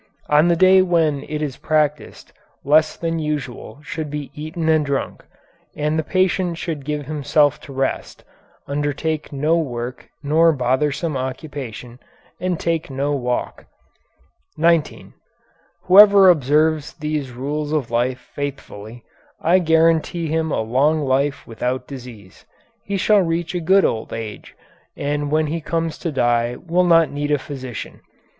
On the day when it is practised less than usual should be eaten and drunk, and the patient should give himself to rest, undertake no work nor bothersome occupation, and take no walk. 19. Whoever observes these rules of life faithfully I guarantee him a long life without disease. He shall reach a good old age, and when he comes to die will not need a physician.